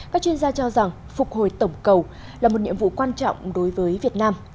các chuyên gia cho rằng phục hồi tổng cầu là một nhiệm vụ quan trọng đối với việt nam